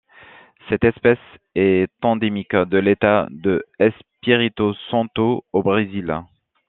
Cette espèce est endémique de l'État de Espírito Santo au Brésil.